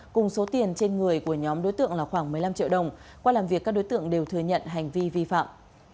cùng số tiền trên người của nhóm đối tượng là khoảng một mươi năm triệu đồng qua làm việc các đối tượng đều thừa nhận hành vi vi phạm